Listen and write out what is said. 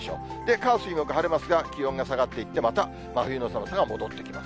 火、水、木、晴れますが、気温が下がっていって、また真冬の寒さが戻ってきます。